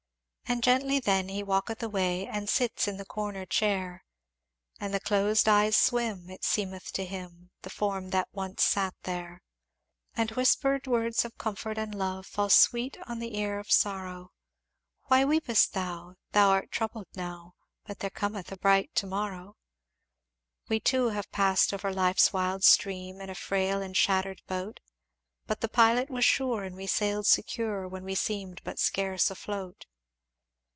"And gently then he walketh away And sits in the corner chair; And the closed eyes swim it seemeth to him The form that once sat there. "And whispered words of comfort and love Fall sweet on the ear of sorrow; 'Why weepest thou? thou art troubled now, But there cometh a bright to morrow. "'We too have passed over life's wild stream In a frail and shattered boat, But the pilot was sure and we sailed secure When we seemed but scarce afloat.